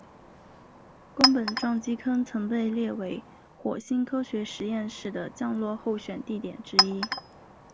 宫本撞击坑曾被列为火星科学实验室的降落候选地点之一。